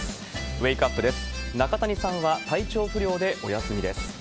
ウェークアップです。